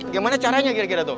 gimana caranya kira kira tuh